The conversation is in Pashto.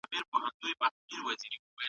چټک فایبرونه د سپورت چټک حرکاتو لپاره اړین دي.